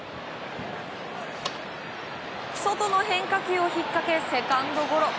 外の変化球をひっかけセカンドゴロ。